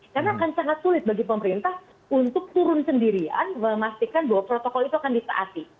karena akan sangat sulit bagi pemerintah untuk turun sendirian memastikan bahwa protokol itu akan disaati